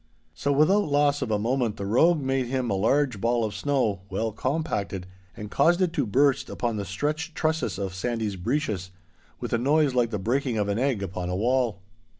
So without loss of a moment the rogue made him a large ball of snow, well compacted, and caused it to burst upon the stretched trusses of Sandy's breeches, with a noise like the breaking of an egg upon a wall.